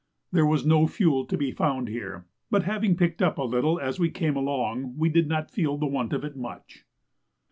There was no fuel to be found here, but having picked up a little as we came along, we did not feel the want of it much.